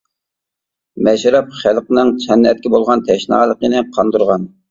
مەشرەپ خەلقنىڭ سەنئەتكە بولغان تەشنالىقىنى قاندۇرغان.